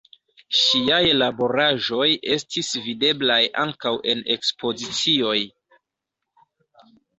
Ŝiaj laboraĵoj estis videblaj ankaŭ en ekspozicioj.